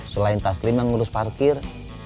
selain taslim yang ngurus parkir